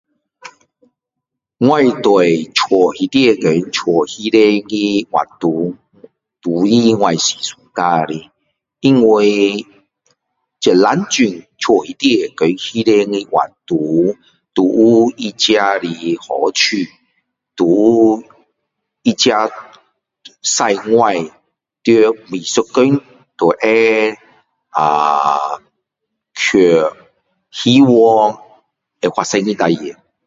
我对家里面和家外面的活动都是我很喜欢的因为这两种家里面和家外面的活动内容都有他自己的好处都有他自己使我每一天都会呃想希望会发生的事